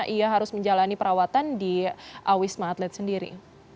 ia harus menjalani perawatan di wisma atlet sendiri